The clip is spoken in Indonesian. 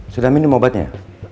sudah minum obatnya